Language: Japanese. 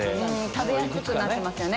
食べやすくなってますよね